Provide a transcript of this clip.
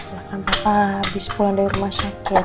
ya kan papa abis pulang dari rumah sakit